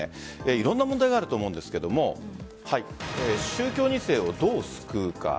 いろんな問題があると思うんですが宗教２世をどう救うか。